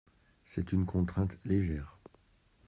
C’est une contrainte légère.